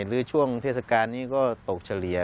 หรือช่วงเทศกาลนี้ก็ตกเฉลี่ย